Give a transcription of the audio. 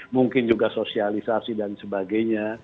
mungkin juga sosialisasi dan sebagainya